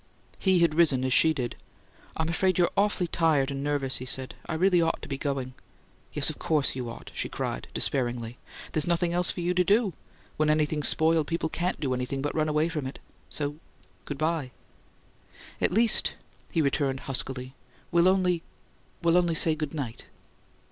He had risen as she did. "I'm afraid you're awfully tired and nervous," he said. "I really ought to be going." "Yes, of COURSE you ought," she cried, despairingly. "There's nothing else for you to do. When anything's spoiled, people CAN'T do anything but run away from it. So good bye!" "At least," he returned, huskily, "we'll only only say good night."